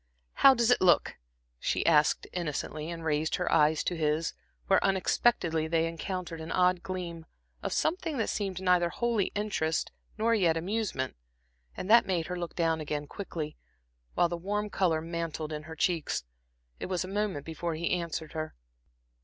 "How does it look?" she asked innocently, and raised her eyes to his, where unexpectedly they encountered an odd gleam, of something that seemed neither wholly interest nor yet amusement, and that made her look down again quickly, while the warm color mantled in her cheeks. It was a moment before he answered her.